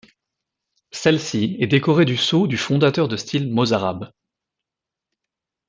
Celle-ci est décorée du sceau du fondateur de style mozarabe.